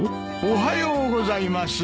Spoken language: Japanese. おはようございます。